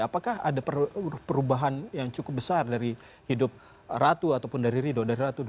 apakah ada perubahan yang cukup besar dari hidup ratu ataupun dari rido